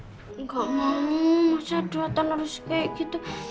gak mau mas aduh aku harus kayak gitu